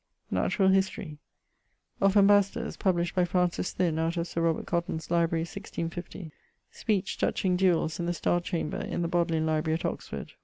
Naturall Historie. Of ambassadors: published by Francis Thynne out of Sir Robert Cotton's library, 1650. Speech touching duells, in the Starre chamber: in the Bodleian library at Oxford.